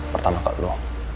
pertama ke lu